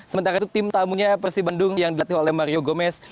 sementara itu tim tamunya persibandung yang dilihat oleh mario gomez